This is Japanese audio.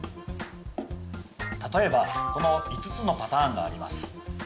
例えばこの５つのパターンがあります。